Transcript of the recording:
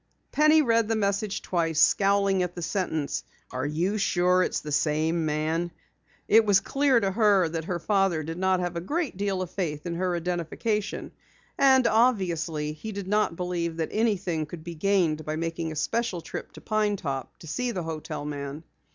Penny read the message twice, scowling at the sentence: "Are you sure it is the same man?" It was clear to her that her father did not have a great deal of faith in her identification. And obviously, he did not believe that anything could be gained by making a special trip to Pine Top to see the hotel man.